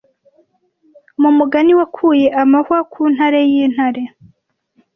Mu mugani wakuye amahwa ku ntare y'intare